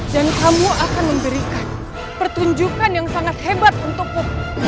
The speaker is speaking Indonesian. dan kamu akan memberikan pertunjukan yang sangat hebat untukmu